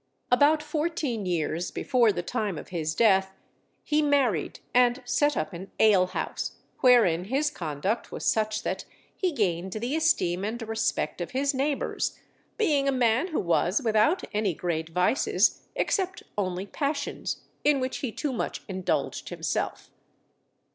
About fourteen years before the time of his death, he married and set up an alehouse, wherein his conduct was such that he gained the esteem and respect of his neighbours, being a man who was without any great vices, except only passions, in which he too much indulged himself.